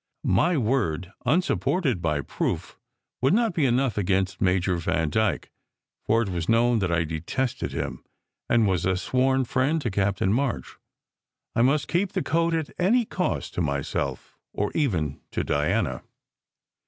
My word, unsupported by proof, would not be enough against Major Vandyke, for it was known that I detested him, and was a sworn friend to Captain March. I must keep the coat at any cost to myself or even to Diana.